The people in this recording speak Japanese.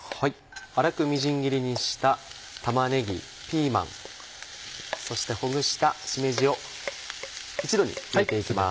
粗くみじん切りにした玉ねぎピーマンそしてほぐしたしめじを一度に入れて行きます。